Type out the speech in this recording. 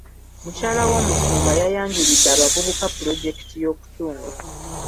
Mukyala w'omusumba yayanjulidde abavubuka pulojekiti y'okutunga.